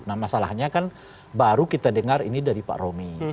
nah masalahnya kan baru kita dengar ini dari pak romi